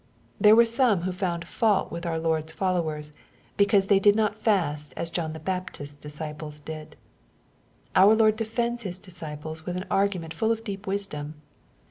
There were some who found fault with our Lord's fol Uwers, because they did not fast as John the Baptist's ,lisc!ple8 did. Our Lord defends His disciples with an ^ygament full of deep wisdom.